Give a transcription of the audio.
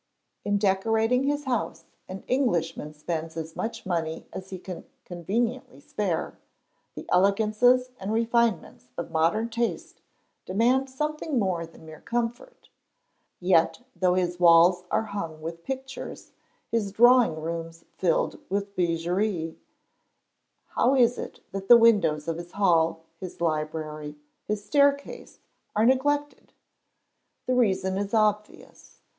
In decorating his house an Englishman spends as much money as he can conveniently spare; the elegances and refinements of modern taste demand something more than mere comfort; yet though his walls are hung with pictures, his drawing rooms filled with bijouterie, how is it that the windows of his hall, his library, his staircase, are neglected? The reason is obvious.